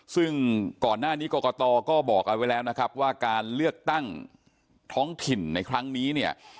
ซึ่งก่อนหน้านี้กรกตก็บอกเอาไว้แล้วนะครับว่าการเลือกตั้งท้องถิ่นในครั้งนี้เนี่ย